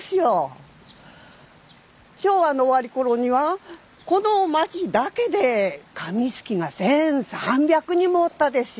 昭和の終わりころにはこの町だけで紙すきが１，３００人もおったですよ。